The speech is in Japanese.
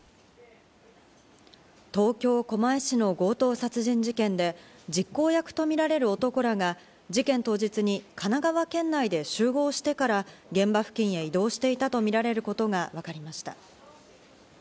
東京・狛江市の強盗殺人事件で、実行役とみられる男らが事件当日に神奈川県内で集合してから現場付近へ移動していたとみられることがわかりました。